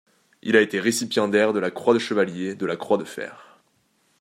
Il a été récipiendaire de la Croix de chevalier de la croix de fer.